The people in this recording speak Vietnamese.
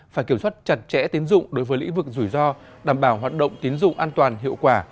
phải kiểm soát chặt chẽ tiến dụng đối với lĩnh vực rủi ro đảm bảo hoạt động tiến dụng an toàn hiệu quả